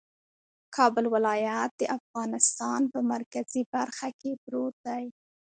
کابل ولایت د افغانستان په مرکزي برخه کې پروت دی